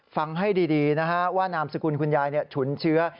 ฟังให้ดีนะฮะว่านามสกุลคุณยายฉุนเชื้อ